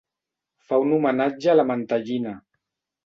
Fa un homenatge a la mantellina.